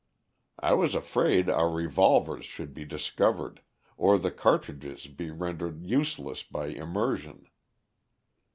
"I was afraid our revolvers should be discovered, or the cartridges be rendered useless by immersion.